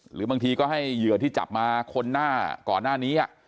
หรือบางทีก็ให้เหยื่อที่จับมาคนหน้าก่อนหน้านี้